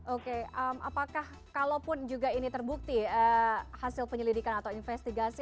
oke apakah kalaupun juga ini terbukti hasil penyelidikan atau investigasi